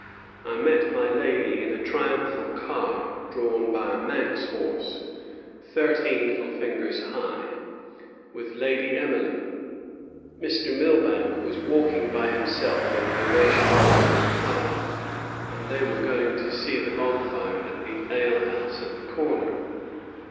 I met my Lady in a triumphal car, drawn by a Manx horse, thirteen little fingers high, with Lady Emily. Mr. Milbank was walking by himself in ovation after the car, and they were going to see the bonfire at the alehouse at the corner.